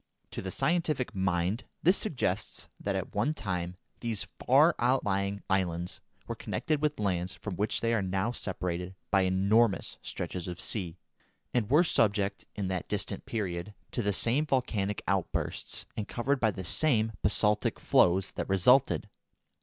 To the scientific mind this suggests that at one time these far outlying islands were connected with lands from which they are now separated by enormous stretches of sea, and were subject, in that distant period, to the same volcanic outbursts and covered by the same basaltic flows that resulted.